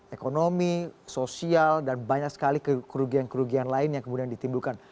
ekonomi sosial dan banyak sekali kerugian kerugian lain yang kemudian ditimbulkan